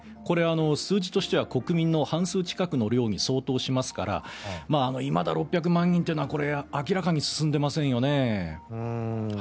これは数字としては国民の半数近くの量に相当しますからいまだ６００万人というのはこれ、明らかに進んでませんよね。